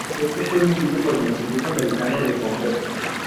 Esto fue emitido por el Instituto Americano del Concreto.